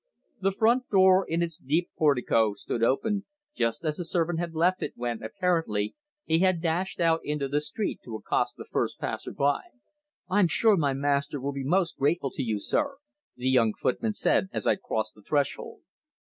The front door in its deep portico stood open, just as the servant had left it when, apparently, he had dashed out into the street to accost the first passer by. "I'm sure my master will be most grateful to you, sir," the young footman said as I crossed the threshold.